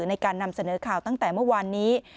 ในการนำเสนอข่าวตั้งแต่เมื่อวานนี้